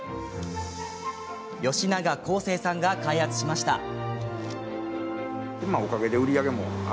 吉永晃生さんが開発しました。